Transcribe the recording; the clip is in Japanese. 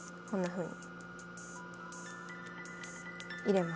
こんなふうに。